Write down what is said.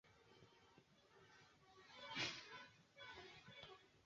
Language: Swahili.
Amesema katika vituo hivyo kutakuwa na mahakama za ngazi zote